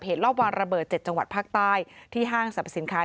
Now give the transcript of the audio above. รอบวางระเบิด๗จังหวัดภาคใต้ที่ห้างสรรพสินค้า